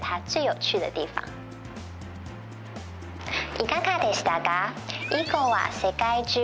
いかがでしたか？